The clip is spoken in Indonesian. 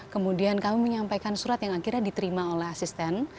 kemudian kami menyampaikan surat yang akhirnya diterima oleh asisten